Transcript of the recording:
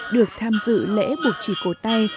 được tham dự lễ buộc chỉ cầu tay